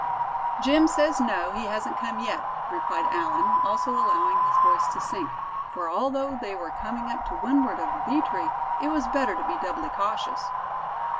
"Jim says no, he hasn't come yet," replied Allan, also allowing his voice to sink; for although they were coming up to windward of the bee tree, it was better to be doubly cautious.